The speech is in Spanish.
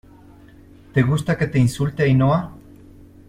¿ te gusta que te insulte, Ainhoa?